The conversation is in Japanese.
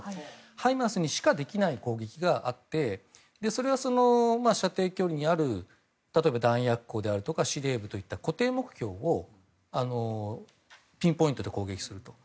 ハイマースにしかできない攻撃があってそれは射程距離にある例えば弾薬庫であるとか司令部といった固定目標をピンポイントで攻撃すると。